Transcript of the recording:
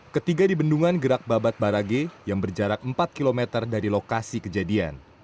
ketiga di bendungan gerak babat barage yang berjarak empat km dari lokasi kejadian